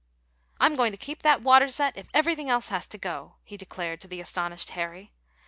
"I'm going to keep that water set if everything else has to go," he declared to the astonished Harry.